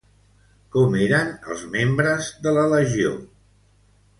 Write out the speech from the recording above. Com eren els membres de la legió?